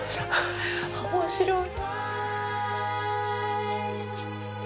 面白い。